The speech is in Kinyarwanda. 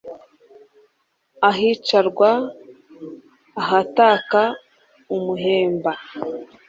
ahicarwa ahataka umuhemba